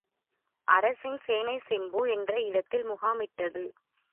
அரசின் சேனை செங்பூ என்ற இடத்தில் முகாமிட்டது.